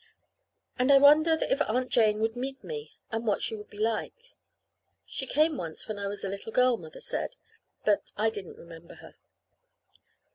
And I wondered if Aunt Jane would meet me, and what she would be like. She came once when I was a little girl, Mother said; but I didn't remember her.